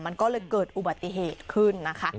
มันก็เลยเกิดอุบัติเหตุขึ้นนะคะ